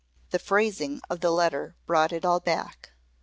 The phrasing of the letter brought it all back.